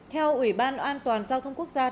theo ủy ban an toàn giao thông quốc gia